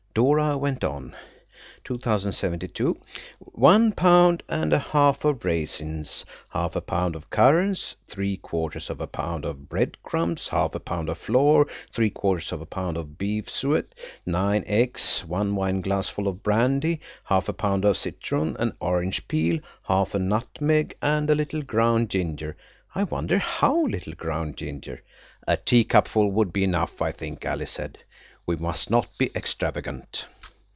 Dora went on– "'2072. One pound and a half of raisins; half a pound of currants; three quarters of a pound of breadcrumbs; half a pound of flour; three quarters of a pound of beef suet; nine eggs; one wine glassful of brandy; half a pound of citron and orange peel; half a nutmeg; and a little ground ginger.' I wonder how little ground ginger." "A teacupful would be enough, I think," Alice said; "we must not be extravagant."